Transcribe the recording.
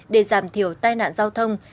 để giảm thiểu tai nạn giao thông